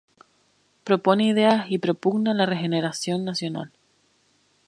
Propone ideas y propugna la regeneración nacional.